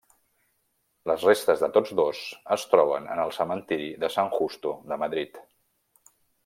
Les restes de tots dos es troben en el cementiri de San Justo de Madrid.